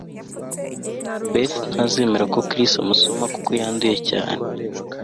beth ntazemera ko chris amusoma kuko yanduye cyane